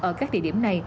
ở các địa điểm này